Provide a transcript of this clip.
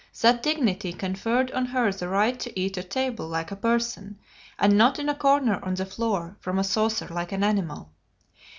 That dignity conferred on her the right to eat at table like a person, and not in a corner on the floor, from a saucer, like an animal.